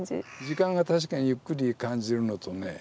時間が確かにゆっくり感じるのとね